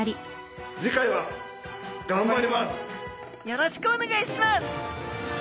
よろしくお願いします！